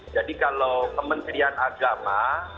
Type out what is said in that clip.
jadi kalau kementerian agama